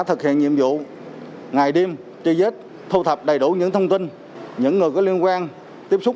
thực hiện nhiệm vụ ngày đêm truy vết thu thập đầy đủ những thông tin những người có liên quan tiếp xúc